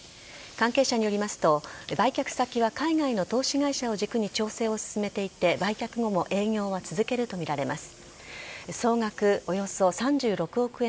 関係者によりますと、売却先は海外の投資会社を軸に調整を進めていて売却後も営業は続けるとみられます。